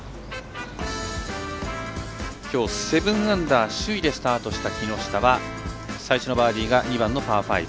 きょう７アンダー首位でスタートした木下は最初のバーディーが２番のパー５。